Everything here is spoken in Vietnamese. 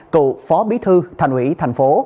cụ phó bí thư thành ủy thành phố